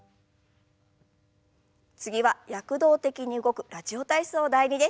次は躍動的に動く「ラジオ体操第２」です。